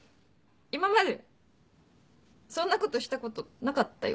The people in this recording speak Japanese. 今までそんなことしたことなかったよね？